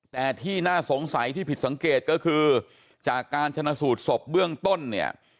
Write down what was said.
แต่ที่น่าสงสัยที่ผิดสังเกตก็คือจากการชนะสูตรศพเบื้องต้นเนี่ย